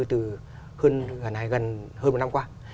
từ hơn một năm qua